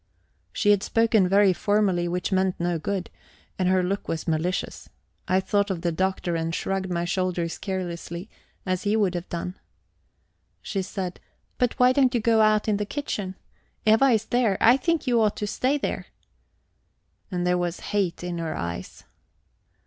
She had spoken very formally, which meant no good, and her look was malicious. I thought of the Doctor, and shrugged my shoulders carelessly, as he would have done. She said: "But why don't you go out in the kitchen? Eva is there. I think you ought to stay there." And there was hate in her eyes.